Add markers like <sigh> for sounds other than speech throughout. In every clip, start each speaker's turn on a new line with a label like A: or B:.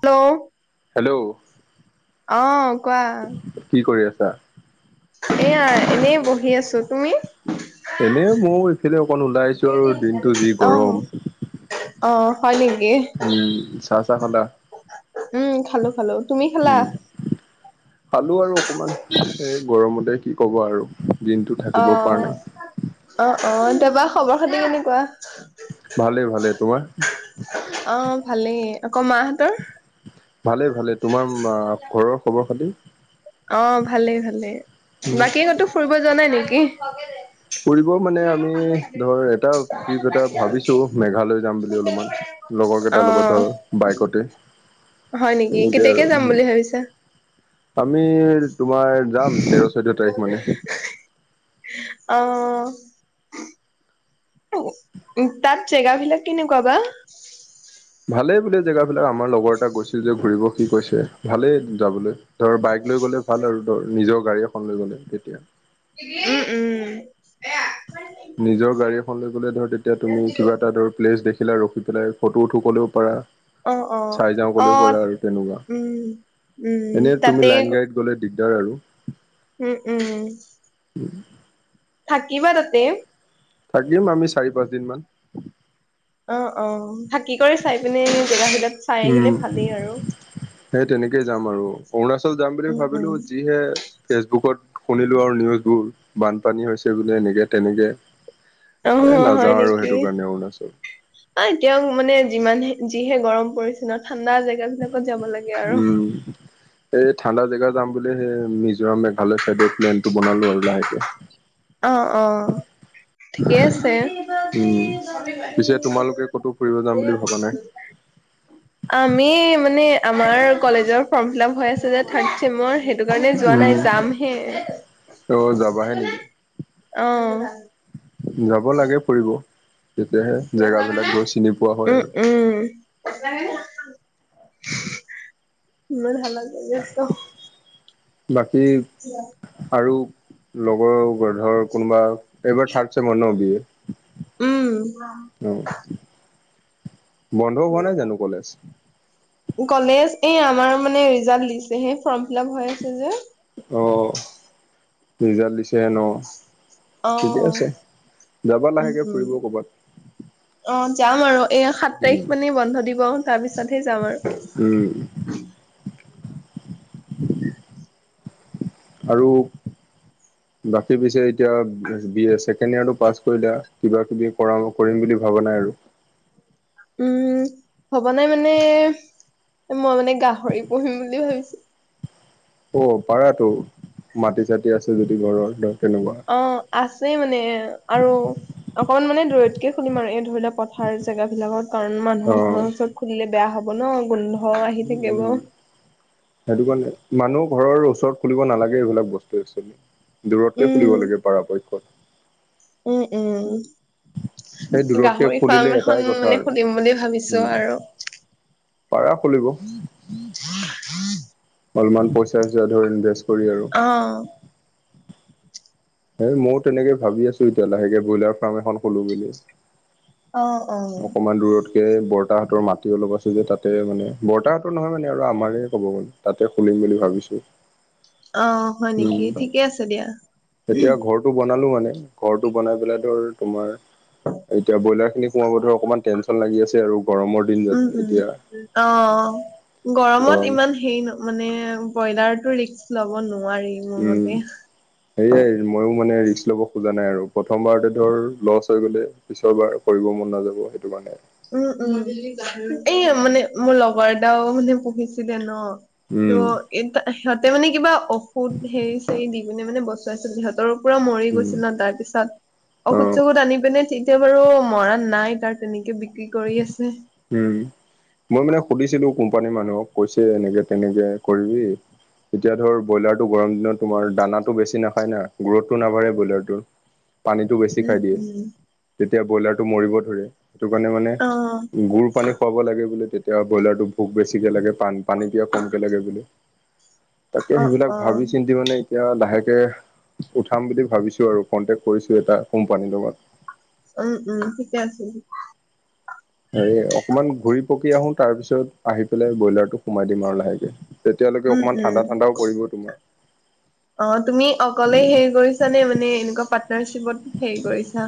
A: Hello
B: hello
A: আহ কোৱা।
B: ত <unintelligible>
A: এইয়া এনেই বহি আছো। তুমি?
B: এনে মইয়ো এইফালে অকন ওলাই আহিছো আৰু, দিনতো যি
A: অ
B: গৰম।
A: অ হয় নেকি
B: উম। চাহ চাহ খালা?
A: উম, খালো-খালো। তুমি খালা?
B: উম খালো আৰু অকমান, এই গৰমতে কি ক'বা আৰু। দিনটো থাকিব পৰা নাই।
A: অ-অ-অ, তোমাৰ খবৰ-খাতি কেনেকুৱা?
B: ভালেই ভালে। তোমাৰ?
A: অ ভালেই আকৌ মাহঁতৰ?
B: ভালে-ভালে। তোমাৰ ঘৰৰ খবৰ-খাতি?
A: অ, ভালেই-ভালেই।
B: উম
A: বাকী কতো ফুৰিব যোৱা নাই নেকি?
B: ফুৰিব মানে আমি ধৰ, এটা ট্ৰিপ এটা ভাবিছো, মেঘালয় যাম বুলি অলপমান।
A: অ
B: লগৰকেইটাৰ লগত ধৰ, বাইকতে।
A: হয় নেকি?
B: তেনেকে আৰু
A: কেতিয়াকে যাম বুলি ভাবিছা?
B: আমি, তোমাৰ যাম তেৰ, চৈধ্য তাৰিখ মানে।
A: অহ উ, তাত জেগা বিলাক কেনেকুৱা বা?
B: ভালেই বোলে জেগা বিলাক, আমাৰ লগৰ এটা গৈছিল যে ঘুৰিব সি কৈছে, ভালেই যাবলৈ। ধৰ বাইক লৈ গ'লে ভাল আৰু, ধৰ নিজৰ গাড়ী এখন লৈ গ'লে তেতিয়া।
A: উম-উম।
B: নিজৰ গাড়ী এখন লৈ গ'লে ধৰ, তেতিয়া তুমি কিবা এটা ধৰ প্লেচ দেখি এইফিলে ৰখি পেলাই, ফটো উঠিব কলোঁ পাৰা।
A: অ অ
B: চাই যাওঁ
A: অ
B: ক'লেও পাৰা আৰু তেনেকুৱা।
A: উম উম
B: এনে তুমি লাইন গাড়ীত গ'লে দিগদাৰ আৰু।
A: উম-উম-উম।
B: উম <inaudible>
A: থাকিবা তাতে?
B: থাকিম আমি চাৰি পাঁচ দিন মান।
A: অ অ থাকি কৰি চাই পিনে জেগা বিলাক চাই
B: উম
A: আহিলে ভালেই আৰু।
B: সেই তেনেকেই যাম আৰু অৰুণাচল যাম বুলি
A: উম
B: ভাবিলো
A: উম
B: যিহে ফেচবুকত শুনিলো আৰু নিউজবোৰ বানপানী হৈছে বোলে এনেকে তেনেকে। এ
A: অ
B: নাযাওঁ আৰু সেইটো কাৰণে অৰুণাচল।
A: আহ, এতিয়াও মানে যিমানে, যিহে গৰম পৰিছে ন ঠাণ্ডা জেগা বিলাক
B: উম' এই ঠাণ্ডা জেগাত যাম বোলে সেই মিজোৰাম, মেঘালয় চাইডে প্লেনটো বনালো আৰু লাহেকে।
A: অ-অ। ঠিকেই আছে। <inaudible>
B: উম পিছে তোমালোকে ক'তো ফুৰিব যাম বুলি ভবা নাই <inaudible>
A: আমি মানে আমাৰ কলেজৰ ফৰ্ম ফিলাপ হৈ আছে যে, থাৰ্ড মই সেইটো কাৰণে যোৱা
B: উম
A: নাই। যামহে।
B: অ যাবাহে নেকি
A: অহ।
B: যাব লাগে ফুৰিব। তেতিয়াহে, জেগাবিলাক ধৰ চিনি পোৱা হয়
A: উম
B: আৰু।
A: উম ইমান হাল্লা কৰি আছ।
B: বাকী আৰু লগৰ ধৰ কোনোবা। এইবাৰ ৰ্থাদ ছেমৰ ন বিয়েৰ?
A: উম'
B: বন্ধ হোৱা নাই জানো কলেজ?
A: কলেজ, এই আমাৰ মানে ৰিজাল্ট দিছেহে ফৰ্ম ফিলাপ হৈ আছে যে।
B: অ, ৰিজাল্ট দিছেহে ন।
A: অ
B: ঠিকে আছে যাবা
A: উম
B: লাহেকে
A: উম
B: ফুৰিব কৰ'বাত।
A: অ যাম আৰু এয়া সাত
B: উম
A: তাৰিখ মানে বন্ধ দিব তাৰপিছতহে যাম
B: উম
A: আৰু।
B: <inaudible> আৰু বাকী পিছে এতিয়া বি এ নে আৰু পাছ কৰিলা কিবা কিবি কৰা কৰিম বুলি ভাবা নাই আৰু।
A: উম ভৱা নাই মানে। মই মানে গাহৰি পুহিম বুলি ভাবিছো।
B: অ পাৰাটো মাটি চাটি আছে যদি ঘৰৰ ধৰ। তেনেকুৱা
A: অ আছে মানে আৰু অকমান মানে দূৰতকে খুুলিম আৰু এই ধৰি লোৱা পথাৰ জেগা বিলাকত পাৰি কাৰণ
B: অ
A: মানুহৰ ঘৰৰ ওচৰত খুলিলে বেয়া হ'ব ন গোন্ধ আহি
B: উম
A: থাকিব
B: উম সেইটো কাৰণে মানুহ ঘৰৰ ওচৰত খুলিব নালাগে এইবিলাক বস্তু একচুৱেলি দূৰতকে
A: উম
B: খুলিব লাগে পৰাপক্ষত
A: উম উম
B: সেই দূৰতকে
A: গাহৰি
B: খুলিলে
A: ফাৰ্ম
B: এটাই
A: এখন
B: কথা
A: মানে
B: আৰু
A: খুলিম বুলি ভাবিছো
B: উম
A: আৰু
B: পাৰা খুলিব।
A: হ উ <unintelligible>
B: অলপমান পইচা চইচা ধৰি ইনভেচ
A: অ
B: এ মইও তেনেকে ভাবি আছো এতিয়া লাহেকে ব্ৰইলাৰ ফাৰ্ম এখন খোলো বুলি।
A: অ অ
B: অকমান দূৰতকে বৰ। বৰ্তাহতৰ মাটি অলপ আছে যে তাতে মানে বৰ্তাহঁতৰ নহয় মানে আৰু আমাৰ ক'ব গ'লে তাতে খুলিম বুলি ভাবিছো।
A: অ হয় নেকি
B: উম
A: ঠিকে আছে দিয়া
B: এতিয়া ঘৰটো বনালো মানে। ঘৰটো বনাই পেলাই ধৰ তোমাৰ এতিয়া ব্ৰইলাৰ তোমাৰ বোধ হয় অকমান টেনশন লাগি আছে আৰু গৰমৰ দিন
A: উম উম
B: এতিয়া
A: অ গৰমত
B: গৰম
A: ইমান হেৰি ন মানে ব্ৰইলাৰটো ৰিস্ক ল'ব নো
B: উম সেয়াই মইও। মানে ৰিস্ক লব খোজা নাই আৰু প্ৰথমবাৰতে ধৰ লছ হৈ গ'লে পিছৰ বাৰ কৰিব মন নাযাব সেইটো কাৰণে।
A: উম উম এই মানে মোৰ লগৰ এটাও মানে পুহিছিলে ন।
B: উম
A: ত' এ সিহঁতে মানে কিবা ঔষুধ হেৰি চেৰী। দি পিনে মানে বচুৱাইছিল সিহঁতৰ পৰা মৰি
B: উম
A: গৈছিল ন তাৰ পিছত
B: অ
A: ঔষধ, চৌষধ আনি পিনে ঠিক। এতিয়া বাৰু মৰা নাই তাৰ তেনেকে বিক্ৰী কৰি আছে
B: উম মই মানে সুধিছিলো। কোম্পানীৰ মানুহক কৈছো এনেকে তেনেকে কৰিবি। এতিয়া ধৰ ব্ৰইলাৰটো গৰম দিনত তোমাৰ দানাটো বেছি নাখায় না গ্ৰোথটো নাবাঢ়ে ব্ৰইলাৰটোৰ। পানীটো বেছি
A: উম
B: খাই দিয়ে
A: উম
B: তেতিয়া ব্ৰইলাৰটো মৰিব ধৰে সেইটো কাৰণে মানে।
A: অ
B: গুুৰ পানী খুৱাব লাগে বোলে তেতিয়া এতিয়া ব্ৰইলাৰটো ভোক বেছিকৈ লাগে পানী পিয়াহ কমকৈ লাগে বুলি। তাকে
A: অ
B: সেইবিলাক
A: অ
B: ভাবি চিন্তি মানে। এতিয়া লাহেকে উঠাম বুলি ভাবিছো আৰু কন্টেকট কৰিছো এটা কোম্পানীৰ লগত।
A: উম উম ঠিকে আছে।
B: হ অকমান ঘুৰি পকি আহো তাৰ পিছত আহি পেলাই ব্ৰইলাৰটো সোমাই দিম আৰু লাহেকে। তেতিয়া লৈকে
A: উম,
B: অকণমান
A: উম।
B: ঠণ্ডা ঠণ্ডাও পৰিব তোমাৰ।
A: অ তুমি অকলেই হেৰি কৰিছা নে মানে এনেকুৱা পাৰ্টনাৰশ্বিপত হেৰি কৰিছা।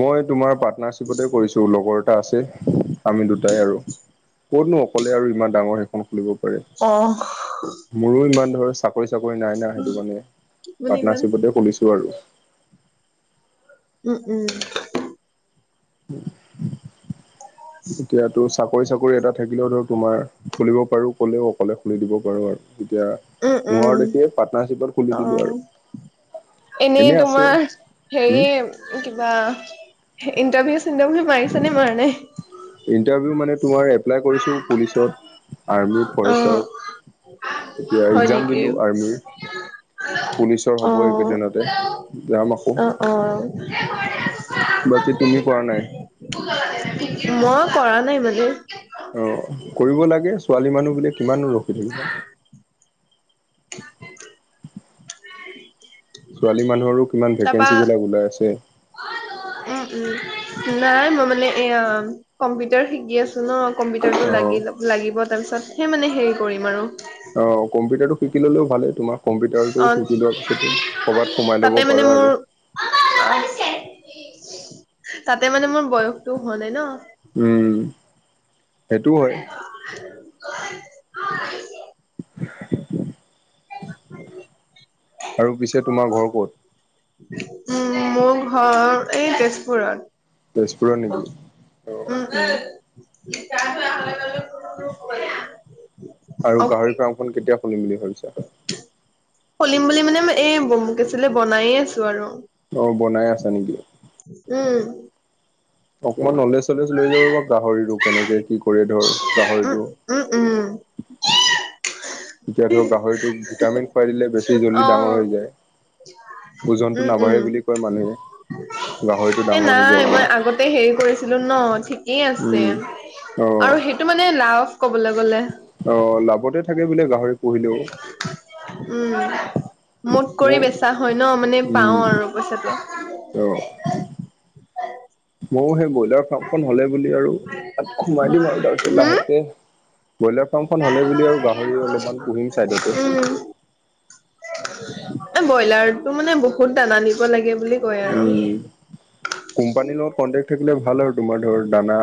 B: মই তোমাৰ পাৰ্টনাৰশ্বিপতে কৰিছো লগৰ এটা আছে। আমি দুটাই আৰু ক'তনো অকলে আৰু ইমান ডাঙৰ সেইখন খুলিব।
A: অ'।
B: মোৰো ইমান ধৰ চাকৰি, পইচা পাতি নাই না সেইটো কাৰণে
A: মানে ইমান
B: পাৰ্টনাৰশ্বিপতে খলুলিছো আৰু।
A: উম উম
B: এতিয়াটো চাকৰি চাকৰি এটা, থাকিলেও ধৰ তোমাৰ খুলিব পাৰোঁ ক'লেও অকলে খুলি দিব পাৰোঁ আৰু। এতিয়া
A: উম, উম,
B: নোৱাৰো দেখিয়ে পাৰ্টনাৰশ্বিপত খুলি দিলো
A: অ'।
B: আৰু।
A: এনেই
B: এনে আছে
A: তোমাৰ হেৰি
B: উম
A: কিবা। ইণ্টাৰভিউ, চিণ্টাৰভিউ মাৰিছা নে মাৰা নাই।
B: ইণ্টাৰভিউ মানে তোমাৰ এপ্লাই কৰিছো পুলিচত, আৰ্মিত,
A: অ'।
B: ফৰেষ্টত। এতিয়া
A: হয়
B: এক্জাম
A: নেকি?
B: দিলো আৰ্মিৰ। পুলিচৰ হ'ব
A: অ',
B: এইকেইদিনতে যাম
A: অ', অ'।
B: আকৌ। বাকী তুমি কৰা নাই?
A: মই কৰা নাই মানে।
B: অ কৰিব লাগে ছোৱালী মানুহ বুলি কিমান ৰখি থাকিবা। ছোৱালী মানুহৰো কিমান ভেকেঞ্চি
A: তাৰপা
B: বিলাক ওলাই আছে।
A: উম উম নাই মই মানে এয়া কম্পিউটাৰ শিকি আছো। ন কম্পিউটাৰটো
B: অ
A: লাগি লাগিব তাৰপিছত সেই মানে হেৰি কৰিম আৰু।
B: অ কম্পিউটাৰটো শিকি ললেও ভালেই তোমাক। কম্পিউটাৰটো
A: অ
B: শিকি লোৱা পিছতো কৰ'বাত সোমাই
A: তাতে
B: ল'ব
A: মানে
B: পাৰা
A: মোৰ
B: আৰু।
A: তাতে মানে মোৰ বয়সটো হোৱা নাই ন।
B: উম সেইটোও হয়
A: <unintelligible> <unintelligible>
B: আৰু পিছে তোমাৰ ঘৰ ক'ত?
A: উম মোৰ ঘৰ এই তেজপুৰত।
B: তেজপুৰৰ নেকি অ?
A: তাৰ হয় হ বলে কোনো।
B: আৰু গাহৰি ফাৰ্ম খন কেতিয়া খুলিম বুলি ভাবিছা।
A: খুলিম বুলি মানে এই কি আছিলে বনায়ে আছো আৰু।
B: অ বনাই আছা নেকি?
A: উম
B: অকমান নলেজ। পচল লৈ যাব বাাৰু গাহৰিটো কেনেকে কি কৰে ধৰ
A: উম
B: গাহৰিটো,।
A: উম উম
B: এতিয়া ধৰক গাহৰিটোক ভিটামিন খুৱাই দিলে বেছি জল্দি
A: অ
B: ডাঙৰ হৈ যায়।
A: উম
B: ওজনতটো
A: উম
B: নাবাঢ়ে বুলি কয় মানুহে। গাহৰিটো
A: এ
B: ডাঙৰ হৈ
A: নাই
B: যায়
A: মই আগতে হেৰি কৰিছিলো ন। এ আছে
B: উম অ
A: আৰু সেইটো মানে লাভ কবলৈ গলে।
B: অ লাভতে থাকে বুলি গাহৰি পুঢ়িলেও।
A: উম মোত কৰি বেচা হয় ন মানে
B: উম
A: পাও আৰু
B: অ
A: পইচাটো।
B: ময়ো সেই ব্ৰইলাৰ ফাৰ্মখন হলে বুলি আৰু তাত সোমাই দিম আৰু তাৰপিছত
A: হম
B: লাহেকে। ব্ৰয়লাৰ ফাৰ্মখন হ'লে বুলি আৰু গাহৰি অলপমান পুহিম ছাইডতে।
A: উম। এ ব্ৰইলাৰটো মানে বহুত দানা নিব লাগে। বুলি কয় আৰু
B: উম কোম্পানীৰ লগত কন্টেকট থাকিলে ভাল আৰু তোমাৰ ধৰ। দানা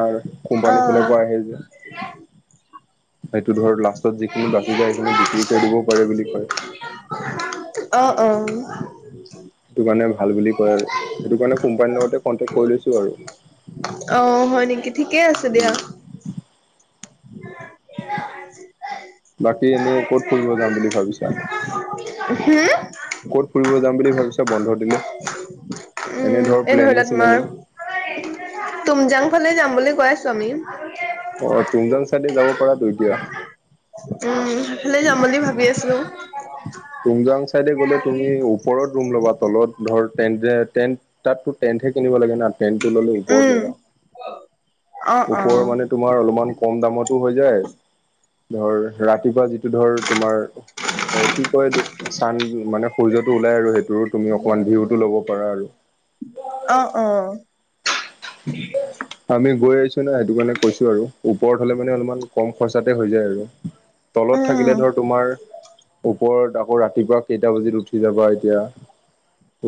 A: অ।
B: কোম্পানীৰ ফালৰ পৰা আহে যে। সেইটো ধৰ লাষ্টত যিখিনি বাচি যায় সেইখিনি বিক্ৰী কৰি দিবও পাৰে বুলি কয়।
A: অঁ
B: সেইটো কাৰণে ভাল বুলি কয় আৰু সেইটো কাৰণে কোম্পানীৰ লগতে কন্টেকট কৰি লৈছো আৰু।
A: অ হয় নেকি ঠিকেই আছে দিয়া।
B: উম বাকী এনেই ক'ত ফুৰিব যাম বুলি ভাবিছা?
A: <unintelligible> হু?
B: ফুৰিবলে যাম বুলি ভাবিছা বন্ধ দিলে। এনে ধৰ
A: এ ধৰি
B: প্লেনিং
A: লোৱা
B: চিলেনিং
A: তোমাৰ তুমজাং ফালে যাম বুলি কৈ আছো আমি।
B: কৰাটো এতিয়া?
A: উম, সেইফালে যাম বুলি ভাবি আছো।
B: তাতে গ'লে তুমি ওপৰত ৰুম লবা। তলত ধৰ টেন্ট যে টেন্ট তাতটো টেন্টহে কিনিব লাগে। না টেন্টটো ল'লে ওপৰত
A: উম।
B: ল'বা।
A: অ অ
B: ওপৰ মানে তোমাৰ অলপমান কম দামতো হৈ যায় ধৰ ৰাতিপুৱা যি ধৰ তোমাৰ এ কি কয় এইটো? চান মানে সূৰ্যটো ওলাই আৰু সেইটোৰ তুমি ওৱান ভিউটো ল'ব পাৰা আৰু।
A: অ অ <unintelligible>
B: আমি গৈ আহিছো না সেইটো কাৰণে কৈছো আৰু। ওপৰত হ'লে মানে অলপমান কম খৰচাতে হৈ যায় আৰু। তলত
A: উম
B: থাকিলে ধৰ তোমাৰ ওপৰত আ আকৌ ৰাতিপুৱা কেইটা বাজিত উঠি যাবা এতিয়া?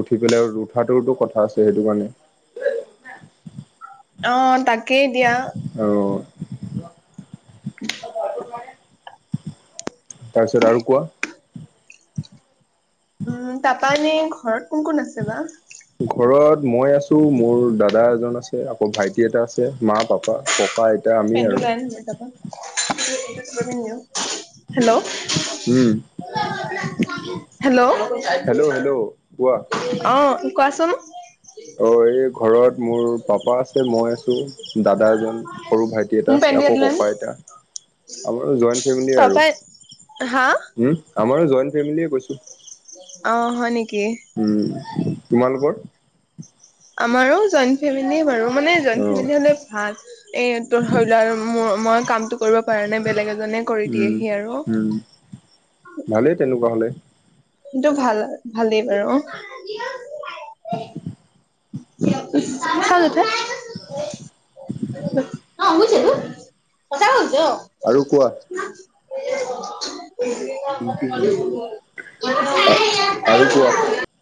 B: উঠি পেলাই আৰু উঠাটোওটো কথা আছে সেইটো কাৰণে।
A: অ, তাকেই দিয়া।
B: <unintelligible>
A: <inaudible>
B: তাৰপিছত আৰু কোৱা।
A: মানে ঘৰত কোন-কোন আছে বা?
B: ঘৰত মই আছো মোৰ দাদা এজন আছে, আকৌ ভাইটি এটা আছে, মা-পাপা
A: পেনটো লৈ আন‌ তাৰপা <unintelligible> হেল্ল'
B: উম
A: <unintelligible> হেল্ল',
B: হেল্ল' কোৱা
A: অ কোৱাচোন।
B: অ এই ঘৰত মোৰ পাপা আছে, মই আছো, দাদা এজন, সৰু ভাই ভাইটি এটা
A: মোৰ
B: আছে
A: পেনটো ইয়াত
B: আকৌ
A: লৈ আন।
B: ককা, আইতা। আমাৰো জইণ্ট ফেমিল আৰু
A: তাৰপা হা
B: হু আমাৰো জইট ফেমিলিয়ে কৈছো।
A: অ হয় নেক
B: উম, তোমালোকৰ?
A: আমাৰো জইণ্ট <unintelligible> মানে
B: অ
A: ভাল। এ তোৰ ধৰি লোৱা আৰু ম মই কামটো কৰিব পাৰা নাই, বেলেগ এজনে কৰি
B: উম
A: দিয়েহি আৰু।
B: উম ভালেই তেনেকুৱা হ'লে।
A: কিন্তু ভাল ভালেই বাৰু। <unintelligible> <unintelligible> যতে <unintelligible>
B: আৰু কোৱা আৰু কোৱা
A: কিয় <unintelligible> <unintelligible>